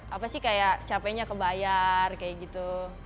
apa sih kayak capeknya kebayar kayak gitu